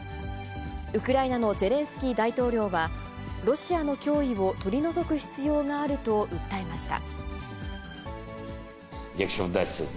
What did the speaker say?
ウクライナのゼレンスキー大統領は、ロシアの脅威を取り除く必要があると訴えました。